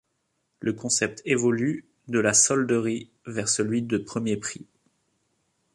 Le concept évolue de la solderie vers celui de premier prix.